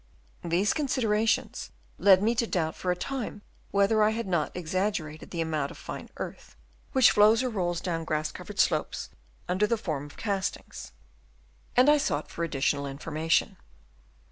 These considerations led me to doubt for a time whether I had not exaggerated the amount of fine earth which flows or rolls down grass covered slopes under the form of castings ; and Chap. VI. MOULD OVER THE CHALK. 301 I sought for additional information.